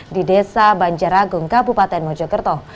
di desa banjaragung kabupaten mojokerto